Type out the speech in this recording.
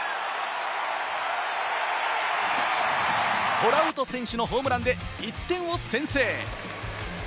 トラウト選手のホームランで１点を先制。